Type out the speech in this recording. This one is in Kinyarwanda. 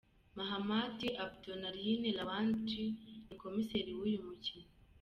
Mahamat Abdonlaye Lawandji ni komisseri w’uyu mukino.